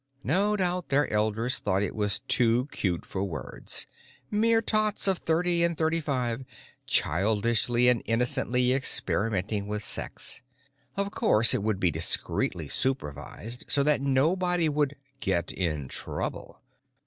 No doubt their elders thought it was too cute for words: mere tots of thirty and thirty five childishly and innocently experimenting with sex. Of course it would be discreetly supervised so that nobody would Get In Trouble.